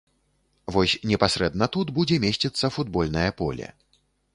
Вось непасрэдна тут будзе месціцца футбольнае поле.